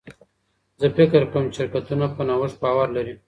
زه فکر کوم چې شرکتونه په نوښت باور لري.